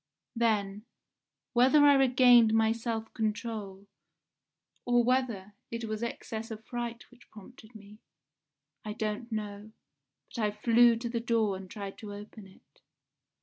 Then, whether I regained my self control, or whether it was excess of fright which prompted me, I don't know, but I flew to the door and tried to open it.